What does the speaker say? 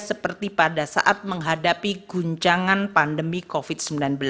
seperti pada saat menghadapi guncangan pandemi covid sembilan belas